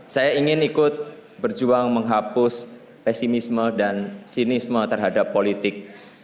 saya ingin ikut berjuang menghapus pesimisme dan sinisme terhadap politik